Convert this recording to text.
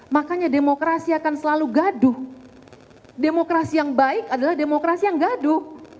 makanya demokrasi akan selalu gaduh demokrasi yang baik adalah demokrasi yang gaduh